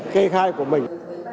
khê khai của mình